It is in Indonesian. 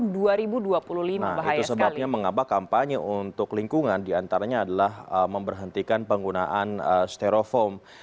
nah itu sebabnya mengapa kampanye untuk lingkungan diantaranya adalah memberhentikan penggunaan stereofoam